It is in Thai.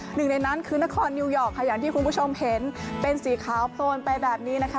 หนึ่งในนั้นคือนครนิวยอร์กค่ะอย่างที่คุณผู้ชมเห็นเป็นสีขาวโพลนไปแบบนี้นะคะ